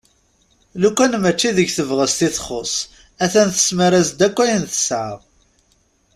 Lukan mačči deg tebɣest i txu a-t-an tesmar-as-d akk ayen tesɛa.